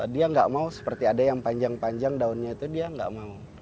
dia nggak mau seperti ada yang panjang panjang daunnya itu dia nggak mau